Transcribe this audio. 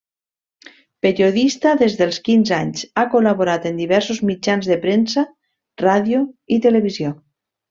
Periodista des dels quinze anys, ha col·laborat en diversos mitjans de premsa, ràdio i televisió.